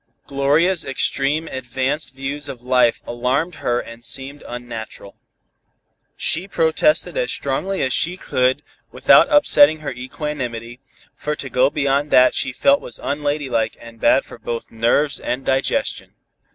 Gloria's extreme advanced views of life alarmed her and seemed unnatural. She protested as strongly as she could, without upsetting her equanimity, for to go beyond that she felt was unladylike and bad for both nerves and digestion.